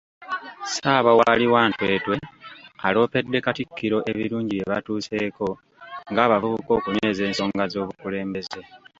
Ssaabawaali wa Ntwetwe aloopedde Katikkiro ebirungi bye batuuseeko ng'abavubuka okunyweza ensonga z'obukulembeze.